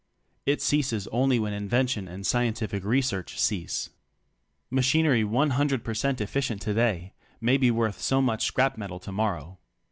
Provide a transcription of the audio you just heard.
It ceases only when invention and scientific research cease. Machinery one hundred per cent efficient today, may be worth so much scrap 19 metal tomorrow.